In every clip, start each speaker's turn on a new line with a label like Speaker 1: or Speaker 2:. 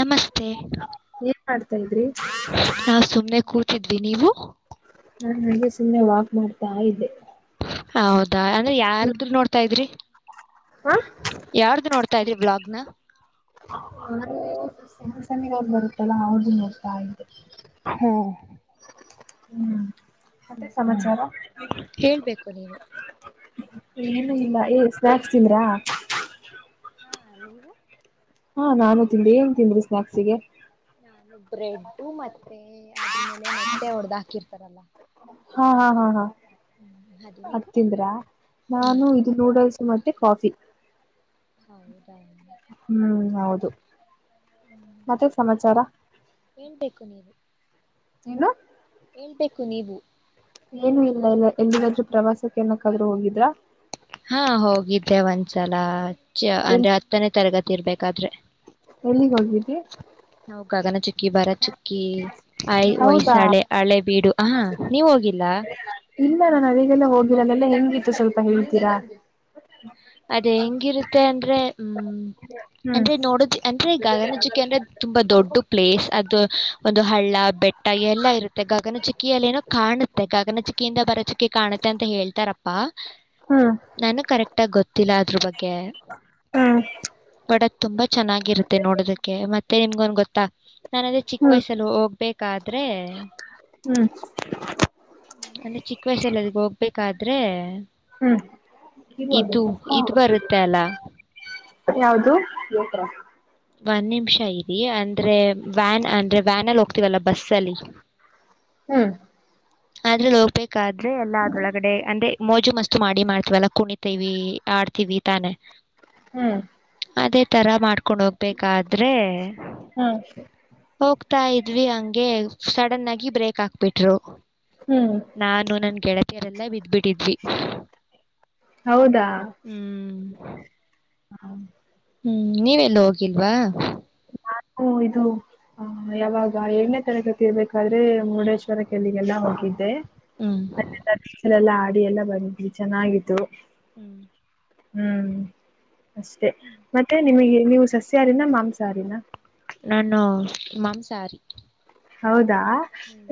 Speaker 1: ನಮಸ್ತೆ
Speaker 2: ಏನ್ ಮಾಡ್ತಾ ಇದ್ರಿ
Speaker 1: ನಾ ಸುಮನೆ ಕೂ. ್ವಿ ನೀವು.
Speaker 2: ನಾನು ನಂಗೆ ಸುಮ್ಮನೆ ವಾಕ್ ಮಾಡ್ತಾ ಇದ್ದೆ.
Speaker 1: ಹೌದಾ ಅಂದ್ರೆ ಯಾರ್ದ ನೋಡ್ತಾ ಇದ್ರಿ ಯಾರ್ದು ನೋಡ್ತಾ ಇದ್ರಿ. ಬ್ಲಾಗ್ನ.
Speaker 2: ನಸನಗ್ರ ಬರುತ್ತಲ್ಲ ಅವ್ರ್ದು ನೋಡ್ತಾ ಆ್ದು.
Speaker 1: ಹಾ
Speaker 2: ಹ್ಮ್ ಮತ್ತೆ ಸಮಾಚಾರ.
Speaker 1: ಹೇಳ್ಬೇಕು ನೀವು
Speaker 2: ಏನು
Speaker 1: ನಿಮ್ಮ
Speaker 2: ಇಲ್ಲ ಏ
Speaker 1: ಹೆಸರು
Speaker 2: ಸ್ನಾಕ್ಸ್ ತಿಂದ್ರಾ.
Speaker 1: ಹಾ ನಿಮಗೆ.
Speaker 2: ಹಾ ನಾನು ತಿಂದಿ ಏನ್ ತಿಂದ್ರಿ ಸ್ನಾಕ್ಸ್ ಗೆ.
Speaker 1: ನಾನು ಬ್ರೆಡ್ ಮತ್ತೆ ಆದ್ರೂ ಮೇಲೆ ಮೊಟ್ಟೆ ಹೊಡ್ದ್ ಹಾಕಿರ್ತಾರಲ್ಲ.
Speaker 2: ಹಾ ಹಾ ಹಾ ಹಾ
Speaker 1: ಹ್ಮ್ ಅದು ನೀವು
Speaker 2: ಅತಿಂದ್ರ
Speaker 1: ಹ್ಮ್,
Speaker 2: ನಾನು ಇದು ನೂಡಲ್ಸ್ ಮತ್ತೆ ಕಾಫಿ.
Speaker 1: ಹೌದು
Speaker 2: ಹ್ಮ್ ಹೌದು ಮತ್ತೆ ಸಮಾಚಾರ.
Speaker 1: ಹೇಳ್ಬೇಕು ನೀವು
Speaker 2: ಏನು
Speaker 1: ಕುನಿವು
Speaker 2: ಏನು ಇಲ್ಲ ಎಲ್ಲಿಗಾದ್ರೂ ಪ್ರವಾಸಕ್ಕೆ ಏನಕ್ಕಾದ್ರೂ ಹೋಗಿದ್ರ.
Speaker 1: ಹಾ ಹೋಗಿದ್ದೆ ಒಂದ್ಸಲ
Speaker 2: ಎಲ್ಲಿ
Speaker 1: ಅಂದ್ರೆ ಹತ್ತನೇ ತರಗತಿ ಇರಬೇಕಾದ್ರೆ.
Speaker 2: ಎಲ್ಲಿಗೆ ಹೋಗಿದ್ರಿ.
Speaker 1: ನಾವು ಗಗನ ಚಿ ಕ್ಕಿ ಬರ ಚುಕ್ಕಿ ಆಯ್
Speaker 2: ಹೌದಾ
Speaker 1: ವಯ್ಸಳೆ ಹಳೆ ಬೀಡು ಹ ನೀವು ಹೋಗಿಲ್ಲ.
Speaker 2: ಇಲ್ಲ ನಾನು ಆವಿಗೆಲ್ಲಾ ಹೋಗಿರಲ್ಲಲ್ಲೇ. ಸ್ವಲ್ಪ ಹೇಳ್ತೀರಾ.
Speaker 1: ಅದು ಹೆಂಗಿರುತ್ತೆ ಅಂದ್ರೆ ಹ್ಮ್.
Speaker 2: ಹ್ಮ್
Speaker 1: ಅಂದ್ರೆ ನೋಡದು ಅಂದ್ರೆ ಗಗನ ಚುಕ್ಕೆ ಅಂದ್ರೆ ತುಂಬಾ ದೊಡ್ಡ ಪ್ಲೇಸ್ ಅದು ಒಂದು ಹಳ್ಳ ಬೆಟ್ಟ ಎಲ್ಲ ಇರುತ್ತೆ ಗಗನ ಚುಕ್ಕಿಯಲ್ಲೊ ಏನೋ ಕಾಣುತ್ತೆ ಗಗನ ಚುಕ್ಕಿಯಿಂದ ಬರೋ ಚುಕ್ಕಿ ಕಾಣುತ್ತೆ ಅಂತ ಹೇಳ್ತಾರಪ್ಪ. ಪ್ಪ
Speaker 2: ಹ್ಮ್
Speaker 1: ನಾನು ಕರೆಕ್ಟ್ ಆಗಿ ಗೊತ್ತಿಲ್ಲ ಅದ್ರ್ ಬಗ್ಗೆ.
Speaker 2: ಹ್ಮ್
Speaker 1: ಬಡಕ್ ತುಂಬಾ ಚೆನ್ನಾಗಿರುತ್ತೆ ನೋಡೋದಕ್ಕೆ ಮತ್ತೆ ನಿಮ್ಗೊಂದು. ತಾ ನಾನು ಅದೇ ಚಿಕ್ಕು
Speaker 2: ಹ್ಮ್
Speaker 1: ವಯಸ್ಸಲ್ಲಿ ಹೋಗ್ಬೇಕಾದ್ರೆ.
Speaker 2: ಹ್ಮ್
Speaker 1: ನಾನು ಚಿಕ್ಕು ವಯಸಲ್ಲಿ ಅಲ್ಲಿಗೆ ಹೋಗ್ಬೇಕಾದ್ರೆ.
Speaker 2: ಹ್ಮ್
Speaker 1: ಇದು ಇದು ಬರುತ್ತೆ ಅಲ
Speaker 2: ಯಾವುದು
Speaker 1: ಒಂದ್ ನಿಮಿಷ ಇರಿ ಅಂದ್ರೆ ವ್ಯಾನ್ ಅಂದ್ರೆ ವ್ಯಾನ್ ಅಲ್ಲಿ ಹೋಗ್ತೀವಲ್ಲ ಬಸ್ ಅಲ್ಲಿ.
Speaker 2: ಹ್ಮ್
Speaker 1: ಆದ್ರೆ ಹೋಗ್ಬೇಕಾದ್ರೆ ಎಲ್ಲಾ ಅದ್ರೊಳಗಡೆ ಅಂದ್ರೆ. ಮೋಜು ಮಸ್ತು ಮಾಡಿ ಮಾಡ್ತವಲ್ಲ ಕುಣಿತೀವಿ ಆಡ್ತೀವಿ ತಾನೇ.
Speaker 2: ಹ್ಮ್
Speaker 1: ಅದೇ ತರ ಮಾಡ್ಕೊಂಡು ಹೋಗ್ಬೇಕಾದ್ರೆ
Speaker 2: ಹ್ಮ್
Speaker 1: ಹೋಗು ತ ಇದ್ವಿ ಹಂಗೆ ಸಡನ್ ಆಗಿ ಬ್ರೇಕ್ ಹಾಕ್ಬಿಟ್ರು
Speaker 2: ಹ್ಮ್
Speaker 1: ನಾನು ನನ್ ಗೆ ರೆಲ್ಲ ಬಿದ್ಬಿಟ್ಟಿದ್ವಿ
Speaker 2: ಹೌದಾ
Speaker 1: ಹ್ಮ್.
Speaker 2: ಹಾ
Speaker 1: ಹ್ಮ್ ನೀವೆಲ್ಲ ಹೋಗಿಲ್ವಾ.
Speaker 2: ಹ್ಮು ಇದು ಹ ಯಾವಾಗ ಏಳ್ನೇ ತರಗತಿ ಇರಬೇಕಾದರೆ. ಮುರುಡೇಶ್ವರ ಕೆಲ್ಲಿಗೆಲ್ಲ ಹೋಗಿದ್ದೆ.
Speaker 1: ಹ್ಞೂ
Speaker 2: ಇವೆಲ್ಲ ಹಾ ಎಲ್ಲ ಬಂದ್ವಿ ಚೆನ್ನಾಗಿತ್ತು.
Speaker 1: ಹ್ಮ್
Speaker 2: ಹ್ಮ್ ಅಷ್ಟೇ ಮತ್ತೆ ನಿಮಗೆ ನೀವು ಸಸ್ಯಾಹಾರಿನ ಮಾಂಸಹಾರಿನ.
Speaker 1: ನಾನು ಮಾಂಸಹಾರಿ.
Speaker 2: ಹೌದಾ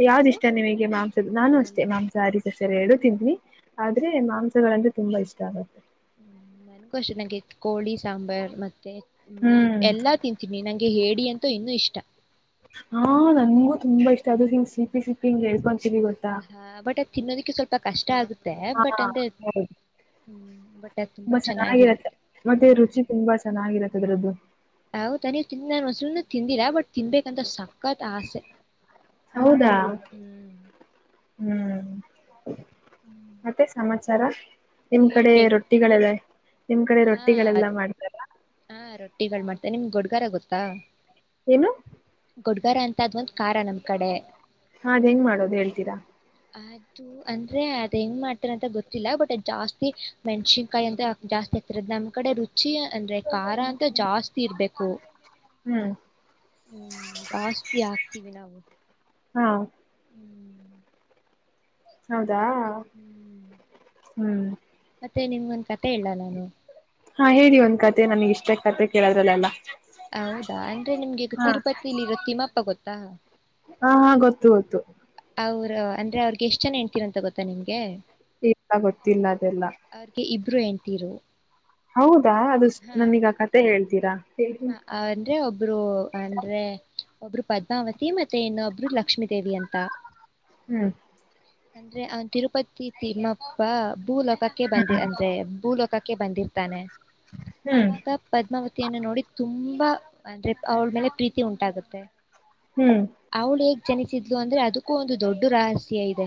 Speaker 2: ಯಾವುದು ಇಷ್ಟ ನಿಮಗೆ ಮಾಂಸದು ನಾನು
Speaker 1: ನಮ್ಮ
Speaker 2: ಅಷ್ಟೇ ಮಾಂಸ ಹಾರಿ ಸಸ್ಯಹಾರಿ ಎರಡು ತಿಂತೀನಿ. ಆದ್ರೆ ಮಾಂಸಗಳಂದ್ರೆ ತುಂಬಾ ಇಷ್ಟ ಆಗತ್ತೆ.
Speaker 1: ಹ್ಮ ನನ್ಗೂ ಅಷ್ಟೆ ಎತ್ತು ಕೋಳಿ ಸಾಂಬಾರ್ ಮತ್ತೆ. ಮೀನು
Speaker 2: ಹ್ಮ್
Speaker 1: ಎಲ್ಲಾ ತಿಂತೀನಿ ನಂಗೆ ಹೇಡಿ ಅಂತೂ ಇನ್ನು ಇಷ್ಟ.
Speaker 2: ಹಾ ನನಗೂ ತುಂಬಾ ಇಷ್ಟ ಅದು ಸಿಪಿ ಸಿಪಿ ಹಿಂಗು ಹೇಳ್ಕೊಂತಾ.
Speaker 1: ಹಾ ಬಟ್ ಅದ್ ತಿನ್ನೋದಿಕ್ಕೆ ಸ್ವಲ್ಪ ಕಷ್ಟ ಆಗುತ್ತೆ.
Speaker 2: ಹಾ
Speaker 1: ಬಟ್ ಅಂದ್ರೆ
Speaker 2: [unintelligible]
Speaker 1: ಹ್ಮ್ ಬಟ್ ಅದು
Speaker 2: ತುಂಬಾ ಚೆನ್ನಾಗಿರತ್ತೆ
Speaker 1: ಚೆನ್ನಾಗಿರುತ್ತೆ
Speaker 2: ಮತ್ತೆ ರುಚಿ ತುಂಬಾ ಚೆನ್ನಾಗಿರತ್ತ ಅದ್ರದ್ದು.
Speaker 1: ಹೌದ ಅ ನೀ ತಿಿಂದ ನನ್ [unintelligible] ತಿಂದಿರಾ ಬಟ್ ತಿನ್ಬೇಕು ಸಕ್ಕತ್ ಆಸೆ
Speaker 2: ಹೌದಾ
Speaker 1: ಹ್ಮ್.
Speaker 2: ಹ್ಮ್
Speaker 1: ಹ್ಮ್.
Speaker 2: ಮತ್ತೆ ಸಮಾಚಾರ. ನಿಮ್ ಕಡೆ
Speaker 1: ಹೇಳ್ಬೇಕು
Speaker 2: ರೊಟ್ಟಿಗಳೆಲ್ಲ ನಿಮ್ ಕಡೆ
Speaker 1: ಹಾ
Speaker 2: ರೊಟ್ಟಿಗಳೆಲ್ಲ ಮಾಡ್ತಾರ.
Speaker 1: ಹಾ ರೊಟ್ಟಿಗಳು ಮಾಡ್ತಾರೆ ನಿಮ್ಗೆ ಗುಡ್ಗಾರ ಗೊತ್ತಾ.
Speaker 2: ಏನು
Speaker 1: ಗುಡ್ಗಾರ ಅಂತ ಅದ್ ಒಂದ್ ಖಾರ ನಮ್ ಕಡೆ
Speaker 2: ಹಾದ್ ಹೆಂಗ್ ಮಾಡೋದು ಹೇಳ್ತೀರಾ.
Speaker 1: ಅದು ಅಂದ್ರೆ ಅದ ಹೆಂಗ ಮಾಡ್ತಾರ ಅಂತ ಗೊತ್ತಿಲ್ಲ ಬಟ್ ಜಾಸ್ತಿ ಮೆಣಸನ್ಕಾಯಿ ಅಂತ ಜಾಸ್ತಿ ಆಗ್ತರ ನಮ್ ಕಡೆ ರುಚಿ ಚ್ಚಿ ಅಂದ್ರೆ ಖಾರ ಅಂತ ಜಾಸ್ತಿ ಇರ್ಬೇಕು.
Speaker 2: ಹ್ಮ್
Speaker 1: ಹ್ಮ್ ಜಾಸ್ತಿ ಆಗ್ತೀವಿ ನಾವು
Speaker 2: ಹಾ
Speaker 1: ಹ್ಮ್
Speaker 2: ಹೌದಾ ಹ್ಮ್
Speaker 1: ಮತ್ತೆ ನಿಮಗೊಂದ್ ಕತೆ ಹೇಳಲ್ಲ ನಾನು.
Speaker 2: ಹಾ ಹೇಳಿ ಒಂದ್ ಕತೆ ನನ್ಗ್ ಇಷ್ಟ ಕತೆ ಕೇಳೋದ್ರಲ್ಲೆಲ್ಲಾ.
Speaker 1: ಹೌದಾ ಅಂದ್ರೆ ನಿಮ್ಗೆ ತಿರುಪತಿಲಿ ಇರೋ ತಿಮ್ಮಪ್ಪ ಗೊತ್ತಾ.
Speaker 2: ಹಾ ಹಾ ಗೊತ್ತು ಗೊತ್ತು.
Speaker 1: ಅವರು ಅಂದ್ರೆ ಅವ್ರಗೆ ಎಷ್ಟ್ ಜನ ಹೆಂಡ್ತಿರ್ ಅಂತ ಗೊತ್ತಾ ನಿಮ್ಗೆ.
Speaker 2: ಈಗ ಗೊತ್ತಿಲ್ಲ ಅದೆಲ್ಲ.
Speaker 1: ಅವ್ರಿಗೆ ಇಬ್ಬರು ಹೆಂಡ್ತೀರು.
Speaker 2: ಹೌದಾ ಅದುಷ್ಟ ನನೀಗ ಕತೆೆ ಹೇಳ್ತೀರಾ.
Speaker 1: ಅಂದ್ರೆ ಒಬ್ಬ ಒಬ್ರು ಅಂದ್ರೆ ಒಬ್ರು ಪದ್ಮಾವತಿ ಮತ್ತೆ ಇನ್ನೊಬ್ರು ಲಕ್ಷ್ಮೀ ದೇವಿ ಅಂತ.
Speaker 2: ಹ್ಮ್
Speaker 1: ಅಂದ್ರೆ ಅವನ್ ತಿರುಪತಿ ತಿಮ್ಮಪ್ಪ ಭೂ ಲೋಕಕ್ಕೆ ಬಂದಿ ಅಂದ್ರೆ ಭೂಲೋಕಕ್ಕೆ ಬಂದಿರ್ತಾನೆ
Speaker 2: ಹ್ಮ್
Speaker 1: ಆಗ ಪದ್ಮಾವತಿಯನ್ನು ನೋಡಿ ತುಂಬಾ ಅಂದ್ರೆ ಅವಳ ಮೇಲೆ ಪ್ರೀತಿ ಉಂಟಾಗುತ್ತೆ ಅವಳೇಗ್ ಜನಿಸಿದ್ಲು ಅಂದ್ರೆ ಅದಕ್ಕೂ ಒಂದು ದೊಡ್ಡ ರಹಸ್ಯ ಇದೆ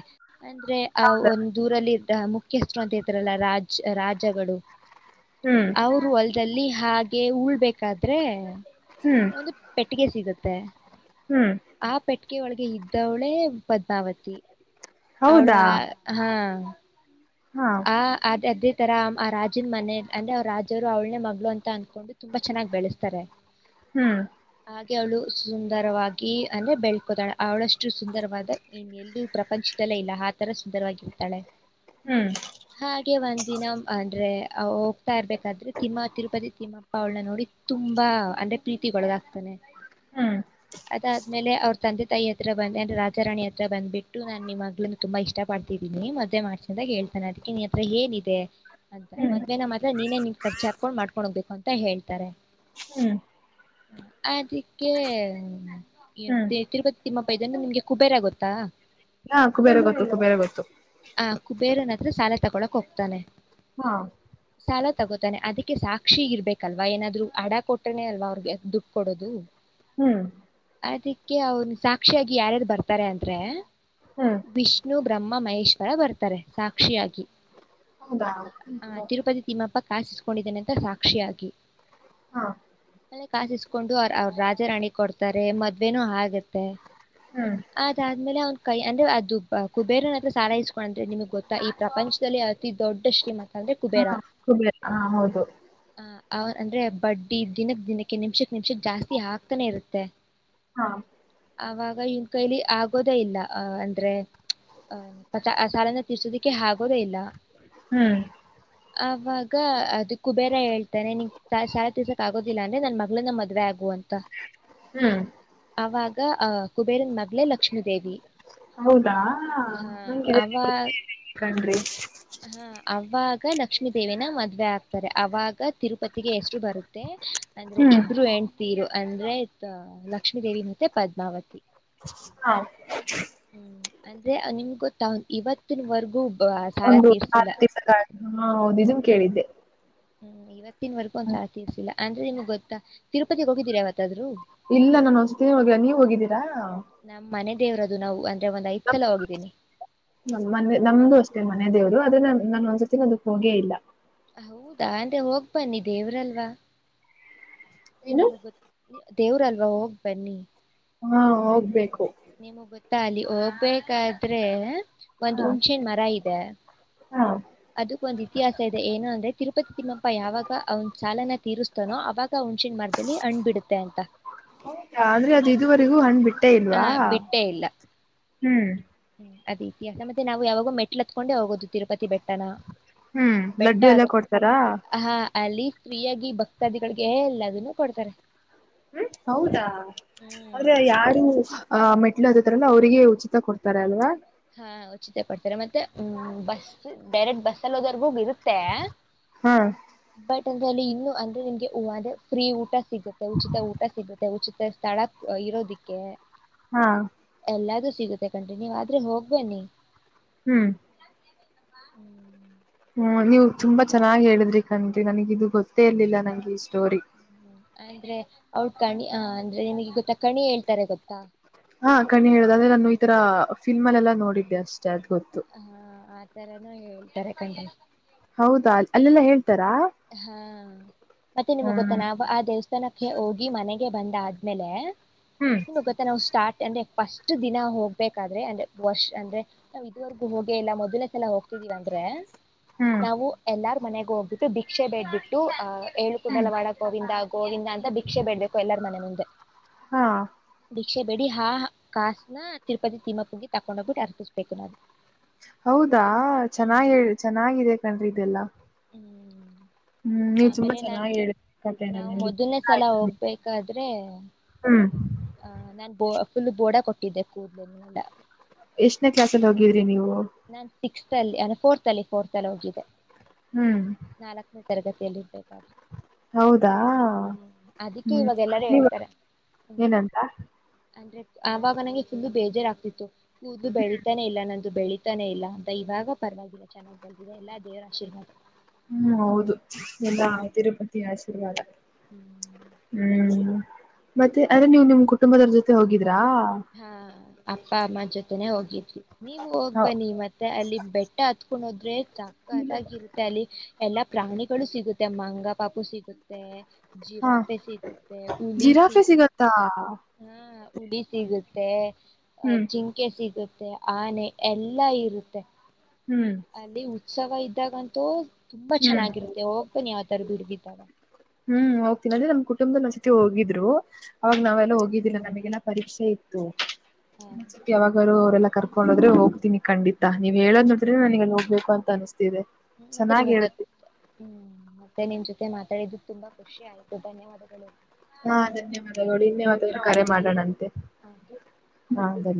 Speaker 1: ಅಂದ್ರೆ ಆ ಒಂದು ಊರಲ್ಲಿ ಮುಖ್ಯಸ್ಥರು ಅಂತ ಇದಾರಲ್ಲ ರಾಜ್ ರಾಜಗಳು
Speaker 2: ಹ್ಮ್
Speaker 1: ಅವರು ಹೊ ಲ್ದಲ್ಲಿ ಹಾಗೆ ಉಳ್ಬೇಕಾದ್ರೆ.
Speaker 2: ಹೌದಾ
Speaker 1: ಒಂದು ಪೆಟ್ಟಿಗೆ ಸಿಗುತ್ತೆ ಆ
Speaker 2: ಹ್ಮ್ ಹ್ಮ್ ಹ್ಮ್
Speaker 1: ಪೆಟ್ ಆ ಪೆಟ್ಟಿಗೆ ಒಳಗೆ ಇದ್ದವಳೇ ಪದ್ಮಾವತಿ. ಅವಳು
Speaker 2: ಹೌದಾ
Speaker 1: ಹಾ
Speaker 2: ಹಾ
Speaker 1: ಆ ಅದ್ ಅದೇ ತರ ಆ ರಾಜನ್ ಮನೆ ಅಂದ್ರೆ ಅವ್ರ ರಾಜರು ಅವ್ಳ್ನೇ ಮಗಳು ಅಂತ ೊಂಡು ತುಂಬಾ ಚೆನ್ನಾಗ್ ಬೆಳೆಸ್ತಾರೆ
Speaker 2: ಹ್ಮ್
Speaker 1: ಹಾಗ್ ಅವಳು ಸುಂದರವಾಗಿ ಅ ಬೆಳ್ಕೋತಾಳ ಅವಳಷ್ಟು ಸುಂದರವಾದ ಇ ಎಲ್ಲೂ ಪ್ರಪಂಚದಲ್ಲಿ ಇಲ್ಲ ಇಲ್ಲ ಆ ತರ ಸುಂದರವಾಗಿರ್ತಾಳೆ.
Speaker 2: ಹ್ಮ್
Speaker 1: ಹಾಗೆ ಒಂದ ದಿನ ಅಂದ್ರೆ ಹೋಗ್ತಾ ಇರ್ಬೇಕಾದ್ರೆ ತಿಮ್ಮ ತಿರುಪತಿ ತಿಮ್ಮಪ್ಪ ಅವಳನ್ನ ನೋಡಿ. ತುಂಬಾ ಅಂದ್ರೆ ಪ್ರೀತಿಗೊಳಗಾಗ್ತಾನೆ
Speaker 2: ಹ್ಮ್
Speaker 1: ಅದಾದ್ಮೇಲೆ ಅವ್ರ ತಂದೆ ತೈ ಹತ್ರ ಬಂದ ರಾಜ ರಾಣಿ ಹತ್ರ ಬಂದ್ಬಟ್ಟು ನಾನನ್ ನಿಮ್ಮ ಮಗ್ಳುನ್ನ ತುಂಬಾ ಇಷ್ಟ ಪಡ್ತಿದೀನಿ ಮದ್ವೆ ಮಾಡ್ಸ ಅಂತ ಹೇಳ್ [unintelligible] ಅದಕ್ಕೆ ನೀ ಹತ್ರ ಏನಿದೆ. ಅಂತ
Speaker 2: ಹ್ಮ್
Speaker 1: ಮದ್ವೆೇನ ಮಾತ್ರ ನೀನೇ ನಿನ್ ಖರ್ಚ ಹಾಕೊಂಡ್ ಮಾಡ್ಕೊಂಡ್ ಹೋಗ್ಬೇಕು ಅಂತ ಹೇಳ್ತಾರೆ.
Speaker 2: ಹ್ಮ್
Speaker 1: ಅದಕ್ಕೆ
Speaker 2: ಹ್ಮ್
Speaker 1: ತಿರ್ಗತಿ ತಿಮ್ಮಪ್ಪೈದಂದು ನಿಮ್ಗೆ ಕುಬೇರ ಆಗುತ್ತಾ.
Speaker 2: ಹೂ ಕುಬೇರ ಗೊತ್ತು.
Speaker 1: ಆದ್ರೆ ಸಾಲ ತಗೊಳಕ್ ಹೋಗ್ತಾನೆ.
Speaker 2: ಹಾ
Speaker 1: ಸಾಲ ತಗೋತಾನೆ ಅದಕ್ಕೆ ಸಾಕ್ಷಿ ಇರ್ಬೇಕಲ್ವಾ ಏನಾದ್ರು ಅಡ ಕೊಟ್ರನೆೇ ಅಲ್ವಾ ಅವ್ರಿಗೆ ದುಡ್ಡು ಕೊಡೋದು
Speaker 2: ಹ್ಮ್
Speaker 1: ಅದಕ್ಕೆ ಅವ್ನು ಸಾಕ್ಷಿಯಾಗಿ ಯಾರ್ಯಾರು ಬರ್ತಾರೆ ಅಂದ್ರೆ
Speaker 2: ಹ್ಮ್
Speaker 1: ವಿಷ್ಣು ಬ್ರಹ್ಮ ಮಹೇಶ್ವರ ಬರ್ತಾರೆ ಸಾಕ್ಷಿಯಾಗಿ
Speaker 2: ಹೌದಾ
Speaker 1: ಆ ತಿರುಪತಿ ತಿಮ್ಮಪ್ಪ ಕಾಸಿಸ್ಕೊಂಡಿದ್ದೇನೆ ಅಂತ ಸಾಕ್ಷಿಯಾಗಿ
Speaker 2: ಹಾ
Speaker 1: ಕಾಸಿಸ್ಕೊಂಡು ಅವ ಅವ್ರ ರಾಜ ರಣಿ ಕೊಡ್ತಾರೆ ಮದ್ೇನ ಹಾಗತ್ತೆ
Speaker 2: ಹ್ಮ್
Speaker 1: ಅದಾದ್ಮೇಲೆ ಅವ್ನ್ ಕೈ ಅಂದ್ರೆ ಅದು ಕುಬೇರನತ್ರ ಸಾರ ಇಸ್ಕೊಂಡಂದ್ರೆ ನಿ ಈ ಪ್ರಪಂಚದಲ್ಲಿ ಅತಿ ದೊಡ್ಡ ಶ್ರೀಮಂತ ಅಂದ್ರೆ
Speaker 2: ಹಾ
Speaker 1: ಕುಬೇರ
Speaker 2: ಕುಬೇರ ಹಾ ಹೌದು
Speaker 1: ಆ ಆ ಅಂದ್ರೆ ಬಡ್ಡಿ ದಿನಕ್ ದಿನಕ್ಕೆ ನಿಮಿಷಕ್ ನಿಮಿಷಕ್ ಜಾಸ್ತಿ ಹಾಕ್ತಾನೆ ಇರುತ್ತೆ
Speaker 2: ಹಾ
Speaker 1: ಆಗ ಇವನ್ ಕೈಲಿ ಆಗೋದೇ ಇಲ್ಲ ಅ ಅಂದ್ರೆ ಆ ಸಾಲನೆ ಿಸೋದಕ್ಕೆ ಆಗೋದ ಇಲ್ಲ
Speaker 2: ಹ್ಮ್
Speaker 1: [inaudible] ಅವಾಗ ಅದ ಕುಬೇರ ಹೇಳ್ತಾನೆ ಶಾಲೆ ತಸಕ್ ಆಗೋದಿಲ್ಲ ಅಂದ್ರೆ ನನ್ ಮಗಳ ನ ಮದ್ವ ಆಗು ಅಂತ ಂತ
Speaker 2: ಹ್ಮ್
Speaker 1: ಅವಾಗ ಅ ಕುಬೇರಿನ್ ಮಗ್ ಲಕ್ಷ್ಮೀದೇವಿ
Speaker 2: ಹೌದಾ
Speaker 1: ಹಾ
Speaker 2: ನಂಗಿದೇ
Speaker 1: ಅವ
Speaker 2: ಕಣ್ರಿ
Speaker 1: ಹಾ ಅವಾಗ ಲಕ್ಷ್ಮೀ ದೇವನ ಮದ್ವೆ ಆಗ್ತಾರೆ ಅವಾಗ ತಿರುಪತಿಗೆ ಎಷ್ಟರು ಬರುತ್ತೆ ಅಂದ್ರೆ
Speaker 2: ಹ್ಮ್
Speaker 1: ಇಬ್ರು ಎಂಡ್ ತೀರು ಅಂದ ಅಂದ್ರೆ ಲಕ್ಷ್ಮೀ ದೇವಿ ಮತ್ತೆ ಪದ್ಮಾವತಿ
Speaker 2: ಹಾ [inaudible]
Speaker 1: ಅಂದ್ರೆ ನಿಮ್ಗೆ ಗೊತ್ತ ಇವತ್ ಮತ್ತ ವರ್ಗೂ ಸಾಲ
Speaker 2: ಒಂದು ವಾರ
Speaker 1: ತೀರ್ಸಲ [inaudible]
Speaker 2: ದಿವಸಗಳ ಹಾ ಹೌದು ಇದನ್ ಕೇಳಿದ್ದೆ
Speaker 1: ಹ್ಮ್ ಇವತ್ತಿನವರೆಗ ಒಂದ್ ಸತಿರ್ಸಿಲ್ಲ ಅಂದ್ರೆ ನಿಮ್ಗೆ ಗೊತ್ತ ತಿರುಪತಿಗೆ ಹೋಗಿದ್ದೀರಿ ಯಾವ
Speaker 2: ಇಲ್ಲ ನಾನು ಒಂದ್ಸತಿ ಹೋಗಿಲ್ಲ ನೀವ್ ಹೋಗಿದ್ದೀರಾ
Speaker 1: ದೇವರದದು ನಾವು ಅ
Speaker 2: ಮನೆ ನಮ್ದು ಅಷ್ಟೇ ಮನೆ ದೇವರು ಅದೇ ನ ನನ್ ಒಂದ್ ಜೊತೆನ್ ಅದಕ್ ಹೋಗೇ ಇಲ್ಲ
Speaker 1: ಹೌದಾ ಅಂದ್ರೆ ಹೋಗ್ ಬನ್ನಿ ದೇವ್ರಲ್ವಾ
Speaker 2: ಏನು
Speaker 1: ನಿಮಗ್ ಗೊ ದೇವ್ರಲ್ವಾ ಹೋಗ್ ಬನ್ನಿ
Speaker 2: ಹಾ ಹೋಗ್ಬೇಕು
Speaker 1: ನಿಮಗ್ ಗೊತ್ತಾಗಲಿ ಹೋಗ್ಬೇಕಾದ್ರೆ ಒಂದು
Speaker 2: ಹಾ
Speaker 1: ಹುಣಚೆನ್ ಮರ ಇದೆ
Speaker 2: ಹಾ
Speaker 1: ಅದಕ್ ಒಂದ ಇತಿಹಾಸ ಇದೆ ಏನು ಅಂದ್ರೆ ತಿರು ತಿಪ್ಪತಿ ತಿಮ್ಮಪ್ಪ ಯಾವಾಗ ಅವನ್ ಸಾಲನ ತೀರಿಸ್ತಾನೋ ಅವಾಗ ಹಣ್ಸಿನ ಮರದಲ್ಲಿ ಅಣ್ಬಿಡುತ್ತೆ ಅಂತ
Speaker 2: ಅಂದ್ರೆ ಅದು ಇದುವರೆಗೂ ಹಣ್ಣ
Speaker 1: ಹ ಬಿಟ್ಟೇ ಇಲ್ಲ
Speaker 2: ಹ್ಮ್
Speaker 1: ಹ್ಮ್ ಅದ ಇತಿಹಾಸ ಮತ್ತೆ ನಾವು ಯಾವಾಗೂ ಮೆಟ್ಲ್ ಹತ್ಕೊಂಡೇ ಹೋಗೋದು ತಿರುಪತಿ ಬೆಟ್ಟ ಟ್ಟ
Speaker 2: ಹ್ಮ್
Speaker 1: ಬೆಟ್ಟ
Speaker 2: ಲಡ್ಡು ಎಲ್ಲ ಕೊಡ್ತಾರಾ?
Speaker 1: ಹಹಾ ಅಲ್ಲಿ ಸ್ತ್ರೀಯಾಗಿ ಭಕ್ತಾದಿಗಳಿಗೆ ಎಲ್ಲದನು ಕೊಡ್ತಾರೆ
Speaker 2: ಹ್ಮ ಹೌದಾ
Speaker 1: ಹ್ಮ್
Speaker 2: ಆದ್ರೆ ಯಾರು ಆಹ್ ಮೆಟ್ಲ್ ಹತಾರಲ್ಲ ಅವ್ರರಿಗೆ ಉಚಿತ ಕೊಡ್ತಾರೆ ಅಲ್ವಾ
Speaker 1: ಹಾ ಉಚಿತ ಕೊಡ್ತಾರೆ ಮತ್ತೆ ಹ್ಮ ಬಸ್ ಡೈರೆಕ್ಟ್ ಬಸ್ಸಲ್ ಹೋದವೌರಿಗೂ ಇರುತ್ತೆ
Speaker 2: ಹಾ
Speaker 1: [unintelligible] ಊಟ ಸಿಗುತ್ತೆ ಉಚಿತ ಊಟ ಸಿಗುತ್ತೆ ಉಚಿತ ಸ್ಥಳ ಇರೋದಿಕ್ಕೆ
Speaker 2: ಹಾ
Speaker 1: ಎಲ್ಲದುೂ ಸಿಗುತ್ತೆ ಕಂಟಿನ್ಯೂ ಆದ್ರೆ ಹೋಗ್ ಬನ್ನಿ
Speaker 2: ಹ್ಮ್
Speaker 1: [unintelligible]
Speaker 2: ಹ್ಮ ನೀವು ತುಂಬಾ ಚೆನ್ನಾಗಿ ಹೇಳಿದ್ರಿ ಕಣ್ರೀ ನನಗ ಇದು ಗೊತ್ತೇ ಇರ್ಲಿಲ್ಲ ನಂಗೆ ಈ ಸ್ಟೋರಿ
Speaker 1: ಆ ಅಂದ್ರೆ ಅವ ಕಣಿ ಆ ಅಂದ್ರೆ ಗೊತ್ತಾ ತಕಣಿ ಹೇಳ್ತಾರೆ ಗೊತ್ತಾ
Speaker 2: ಹಾ ಕಣ್ಣಿ ಹೇಳುದು ಅಂದ್ರೆ ನಾನು ಈ ತರ ಫಿಲ್ ಎಲ್ಲಾ ನೋಡಿದ್ದೆ ಅಷ್ಟೆ
Speaker 1: [inaudible]
Speaker 2: ಹೌದಾ ಅಲ್ಲೆಲ್ಲಾ ಹೇಳ್ತಾರಾ
Speaker 1: ಹಾ ಮತ್ತೆ ನಿಮ್ಗ್ ಗೊತ್ತ
Speaker 2: ಹ್ಮ್
Speaker 1: ನಾ ಆ ದೇವಸ್ಥಾನಕ್ಕೆ ಹೋಗಿ ಮನೆಗೆ ಬಂದ ಆದ್ಮೇಲೆ
Speaker 2: ಹ್ಮ್
Speaker 1: ನಿಮಗೆ ಗೊತ್ತಾ ನಾವು ಸ್ಟಾಟ್ ಅಂದ್ರೆ ಫಸ್ಟ್ ದಿನ ಹೋಗ್ಬೇಕಾದ್ರೆ ಎಂಡ್ ಅಂದ್ರೆ ವರ್ಷ ಅಂದ್ರೆ ನಾ್ ಇದುವರೆಗೂ ಹೋಗೇ ಇಲ್ಲ ಮೊದಲೇ ಸಲ ಹೋಗ್ತದೇ ಬಂದರೆ
Speaker 2: ಹ್ಮ್
Speaker 1: ನಾವು ಎಲ್ಲಾರು ಮನೆಗ ಹೋಗ್ಬಿಟ್ಟು ಭಿಕ್ಷೆ ಬೇಡ್ಬಿಟ್ಟು ಅಹ
Speaker 2: ಹ್ಮ್
Speaker 1: ಏಳುಕುಂಡಲವಾಡಗೋವಿಂದ ಗೋವಿಂದ ಅಂತ ಭಿಕ್ಷೆ ಬಿಡ್ಬೇಕು ಎಲ್ಲಾರ ಮನೆ ಮುಂದೆ
Speaker 2: ಹಾ
Speaker 1: ಭಿಕ್ಷೆ ಬಿ ಬಿಕ್ಷೆ ಬೇಡಿ ಆಾ ಹಾ ಕಾಸನ ತಿರುಪತಿ ತಿಮಪ್ಪುಗೆ ತಕೊಂಡ ಹೋಗ್ಬಿಟ್ಟು ಅರ್ಪಿಸ್ಬೇಕು ನಾವು
Speaker 2: ಹೌದಾ ಚೆನ್ನಾಗ
Speaker 1: ಹ್ಮ್
Speaker 2: ಹೆ ಚೆನ್ನಾಗಿದೆ ಕಂಡ್ರಿ ಇದೆಲ್ಲ
Speaker 1: ಹ್ಮ್
Speaker 2: ಹ್ಮ್ ನೀವ್ ತುಂಬಾ
Speaker 1: ಆಮೇಲೆ ನಾನ್
Speaker 2: ಚೆನ್ನಾಗಿ ಹೇಳ ಕತೆನ
Speaker 1: ನಾವು
Speaker 2: ನಂಗೆ
Speaker 1: ಮೊದಲ್ನೇ
Speaker 2: ಇಷ್ಟ
Speaker 1: ಸಲ
Speaker 2: ಆಯ್ತು
Speaker 1: ಹೋಗ್ಬೇಕಾದ್ರೆ
Speaker 2: ಹ್ಮ್
Speaker 1: ಆ ನಾನ್ ಬೋ ಫುಲ್ ಬೋಡಾ ಕೊಟ್ಟಿದ್ದೆ ಕೂದಲೆಲ್ಲಾ
Speaker 2: ಎಷ್ಟನೇ ಕ್ಲಾಸಲ್ಲಿ ಹೋಗಿದ್ರಿ ನೀವು
Speaker 1: ನಾನ್ ಸಿಕ್ಸ್ತಲ್ಲಿ ಅ ಫೋರ್ತ್ ಲ್ಲಿ ಫೋರ್ತ್ ಲ್ಲಿ ಹೋಗಿದ್ದೆ
Speaker 2: ಹ್ಮ್
Speaker 1: ನಾಲ್ಕನೇ ತರಗತಿಯಲ್ಲಿ ಇರ್ಬೇಕಾದ್ರೆ
Speaker 2: ಹೌದಾ
Speaker 1: ಹ್ಮ್ ಅದಕ್ಕೆ
Speaker 2: ಹ್ಮ್
Speaker 1: ಇವಾಗ ಎಲ್ಲಾರು
Speaker 2: ನೀವು
Speaker 1: ಹೇಳ್ತಾರೆ
Speaker 2: ಏನಂತ
Speaker 1: ಆಾಗ ನಂಗೆ ಫುಲ್ಲು ಬೇಜಾರಾಗಗ್ತಿತ್ತು ಕೂದಲು ಬೆಳೀಿತಾನೆ ಇಲ್ಲ ನಂದು ಬೆಳಿ ತಾನೇ ಇಲ್ಲ ಅಂತ ಇವಾಗ ಪರವಾಗಿಲ್ಲ ಚೆನ್ನಾಗಿ ಬಲ್ದಿದೆ ಎಲ್ಲಾ ದೇವರ ಆಶೀರ್ವಾದ
Speaker 2: [inaudible] ಚ್ ಹ್ಮ್ ಮತ್ತೆ ಅದೇ ನೀವು ನಿಮ್ ಕುಟುಂಬದರ ಜೊತೆ ಹೋಗಿದ್ರಿ
Speaker 1: ಹಾ ಅಪ್ಪ ಅಮ್ಮ ಜೊತೆನೆ ಹೋಗಿದ್ವಿ ನೀವು ಹೋಗ್ಬನ್ನಿ ಮತ್ತೆ ಅಲ್ಲಿ ಬೆಟ್ಟ ಹತ್ಕೊಂಡೋದ್ರೆ ಚಕ್ಕತಾಗಿರುತ್ತೆ ಅಲ್ಲಿ ಎಲ್ಲಾ ಪ್ರಾಣಿಗಳು ಸಿಗುತ್ತೆ ಮಂಗ ಪಾಪು ಸಿಗುತ್ತೆ
Speaker 2: ಹಾ
Speaker 1: ಜಿರಾಫೆ ಸಿಗುತ್ತೆ ಹುಲಿ
Speaker 2: ಜಿರಾಫೆ
Speaker 1: ಸೀಗು
Speaker 2: ಸಿಗತ್ತಾ
Speaker 1: ಹಾ ಉಡಿ ಸಿಗುತ್ತೆ ಅಹ
Speaker 2: ಹ್ಮ್
Speaker 1: ಜಿಂಕೆ ಸಿಗುತ್ತೆ ಆನೆ ಎಲ್ಲಾ ಇರುತ್ತೆ
Speaker 2: ಹ್ಮ್
Speaker 1: ಅಲ್ಲಿ ಉತ್ಸವ ಇದ್ದಾಗಂತೂ ತುಂಬಾ
Speaker 2: ಹ್ಮ್
Speaker 1: ಚೆನ್ನಾಗಿರುತ್ತೆ ಹೋಗ್ಬನಿ ಯ ತರಬಿಡ್ ಬಿದ್ದಾಗ
Speaker 2: ಹ್ಮ್ ಹೋಗ್ತೀನಿ ಅ್ರೆ ನಮ್ ಕುಟುಂಬದಲ್ಲಿ ಒನ್ ಸತಿ ಹೋಗಿದ್ರು ಅವಾಗ
Speaker 1: ಹ್ಮ್
Speaker 2: ನಾವೆಲ್ಲ ಹೋಗಿದ್ದಿಲ್ಲ ನಮ್ಮನೆಗೆ ಇಲ್ಲ ಪರೀಕ್ಷೆ ಇತ್ತು
Speaker 1: ಹಾ
Speaker 2: ಇನ್ನೊಂಸತಿ ಯಾವಾಗರೋ ನನ್ನ ಕರ್ಕೊಂಡೋದ್ರೆ ಹೋಗ್ತೀನಿ ಖಂಡಿತ ನೀವು ಹೇಳೋದು ನೋಡಿದ್ರೆ ನಾನೀವಾಗ ಹೋಗ್ಬೇಕು ಅಂತ ಅನಿಸ್ತ
Speaker 1: ಹ್ಮ ಮತ್ತೆ ನಿಮಗ್ ಗೊತ್ತ ಹ್ಮ್ ಮತ್ತೆ ನಿಮ್ ಜೊತೆ ನೀವು ಮಾತಾಡಿದ್ದು ತುಂಬಾ ಖುಷಿ ಆಯ್ತು ಧನ್ಯವಾದಗಳು
Speaker 2: [unintelligible]
Speaker 1: [inaudible]
Speaker 2: ಹಾ ಸರಿ [unintelligible]